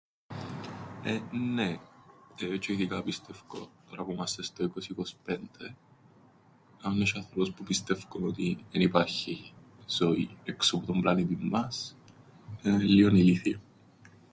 Ε, νναι. Τζ̆αι ειδικά πιστεύκω, τωρά που είμαστε στο είκοσι 'κοσπέντε, αν έσ̆ει ανθρώπους που πιστεύκουν ότι εν υπάρχει ζωή έξω που τον πλανήτην μας, ε, εν' λλίον ηλίθιον.